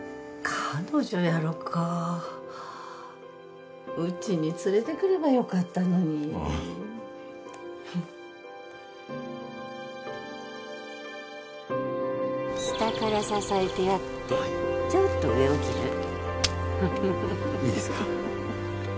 彼女やろかうちに連れてくればよかったのに下から支えてやってちょっと上を切るいいですか？